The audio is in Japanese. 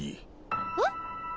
えっ？